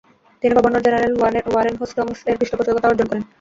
তিনি governor general Warren হোস্টংস্-এর পৃষ্ঠপোষকতা অর্জন করেন।